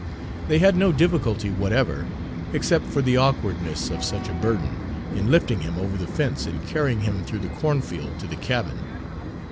They had no difficulty whatever, except for the awkwardness of such a burden, in lifting him over the fence and carrying him through the cornfield to the cabin.